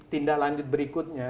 tindak lanjut berikutnya